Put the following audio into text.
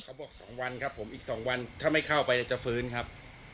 เขาบอก๒วันครับผมอีก๒วันถ้าไม่เข้าไปจะฟื้นครับ